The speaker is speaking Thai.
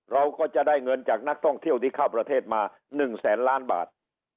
เราก็จะได้เงินจากนักท่องเที่ยวที่เข้าประเทศมา๑แสนล้านบาท